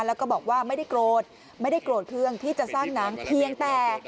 แล้วก็บอกว่าไม่ได้โกรธไม่ได้โกรธเครื่องที่จะสร้างหนังเพียงแต่